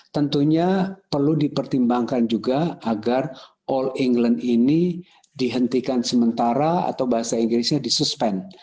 tentunya perlu dipertimbangkan juga agar all england ini dihentikan sementara atau bahasa inggrisnya di suspend